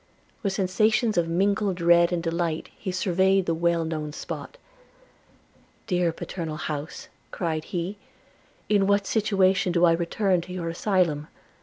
With sensations of mingled dread and delight he surveyed the well known spot. 'Dear paternal house,' cried he, 'in what situation do I return to your asylum!